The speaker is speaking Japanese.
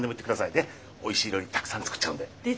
おいしい料理たくさん作っちゃうんで。ですよねえ。